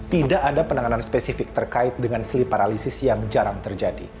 tidak ada penanganan spesifik terkait dengan sleep paralysis yang jarang terjadi